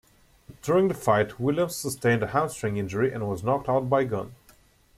During the fight, Williams sustained a hamstring injury and was knocked out by Gunn.